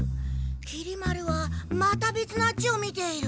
きり丸はまたべつのあっちを見ている。